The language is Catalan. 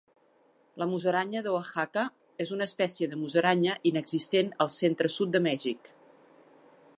La musaranya d'Oaxaca és una espècie de musaranya inexistent al centre-sud de Mèxic.